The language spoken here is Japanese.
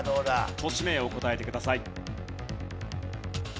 都市名を答えてください。